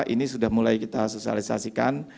ini sudah mulai kita sosialisasikan